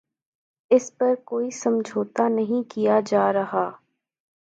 اس پر کوئی سمجھوتہ نہیں کیا جارہا